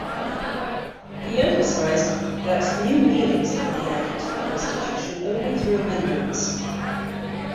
He emphasized that new meanings can be added to the Constitution only through amendments.